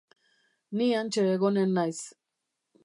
Ni hantxe egonen naiz.